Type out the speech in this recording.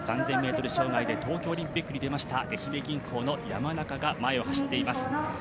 ３０００ｍ障害で東京オリンピックに出ました愛媛銀行の山中が前を走っています。